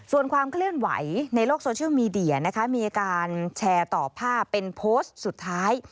ส่วนความเคลื่อนไหวในโลกโซเชียลมีเดียนะคะมีการแชร์ต่อภาพเป็นโพสต์สุดท้าย